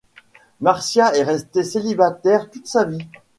Marcia est restée célibataire toute sa vie.